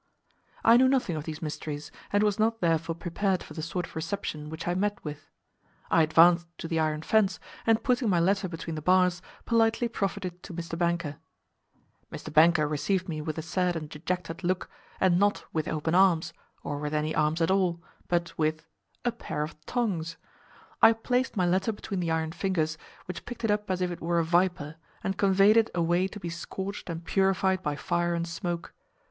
I knew nothing of these mysteries, and was not therefore prepared for the sort of reception which I met with. I advanced to the iron fence, and putting my letter between the bars, politely proffered it to Mr. Banker. Mr. Banker received me with a sad and dejected look, and not "with open arms," or with any arms at all, but with—a pair of tongs! I placed my letter between the iron fingers, which picked it up as if it were a viper, and conveyed it away to be scorched and purified by fire and smoke.